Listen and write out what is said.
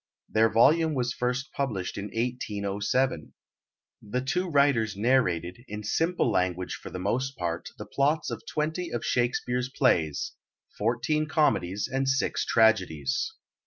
Their volume was first published in 1807. The two writers narrated, in simple language for the most part, the plots of twenty of Shakespeare's plays, fourteen comedies and six tragedies.